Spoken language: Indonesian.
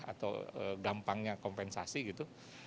atau gampangnya kompensasi gitu